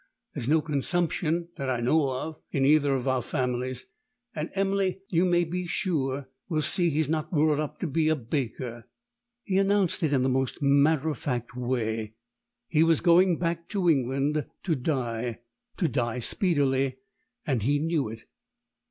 There's no consumption, that I know of, in either of our families; and Emily, you may be sure, will see he's not brought up to be a baker." He announced it in the most matter of fact way. He was going back to England to die to die speedily and he knew it.